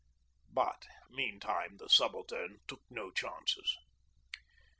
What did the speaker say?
But meantime the Subaltern took no chances.